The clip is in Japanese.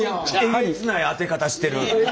えげつない当て方してる。